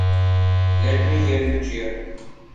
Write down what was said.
Let me hear you cheer!